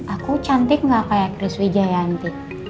aku cantik gak kayak rizwi jayanti